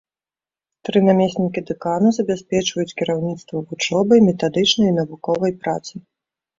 Тры намеснікі дэкана забяспечваюць кіраўніцтва вучобай, метадычнай і навуковай працай.